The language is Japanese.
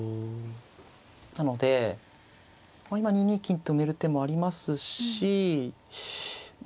なので今２二金と埋める手もありますしま